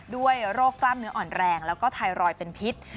ด้วยโรคกล้ามเนื้ออ่อนแรงแล้วก็ไทรอยด์เป็นพิษ